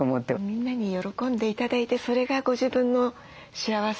みんなに喜んで頂いてそれがご自分の幸せっていう。